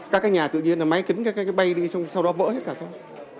các nhà tự nhiên là máy kính cái bay đi sau đó vỡ hết cả thôi